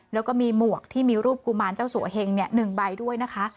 แล้วก็มีหมวกที่มีรูปกุมารเจ้าสัวเฮง๑ใบด้วยนะคะ